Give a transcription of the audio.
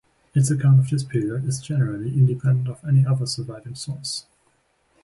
Its account of this period is generally independent of any other surviving source.